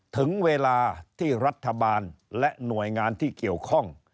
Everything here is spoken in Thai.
ถึงเวลาที่รัฐบาลและหน่วยงานที่เกี่ยวข้อง